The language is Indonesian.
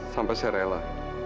sampai saya rela